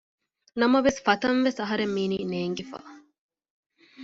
ނަމވެސް ފަތަންވެސް އަހަރެން މީނީ ނޭނގިފަ